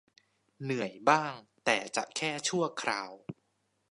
เหนื่อยบ้างแต่จะแค่ชั่วคราว